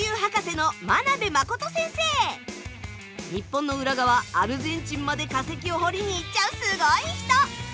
日本の裏側アルゼンチンまで化石を掘りに行っちゃうすごい人。